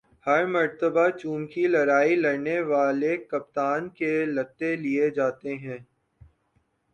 ہر مرتبہ چومکھی لڑائی لڑنے والے کپتان کے لتے لیے جاتے ہیں ۔